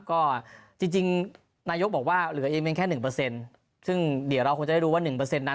ก็จริงจริงนายกบอกว่าเหลือเองแค่หนึ่งเปอร์เซ็นต์ซึ่งเดี๋ยวเราคงจะได้รู้ว่าหนึ่งเปอร์เซ็นต์นั้น